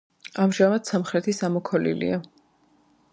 ამჟამად სამხრეთის ამოქოლილია.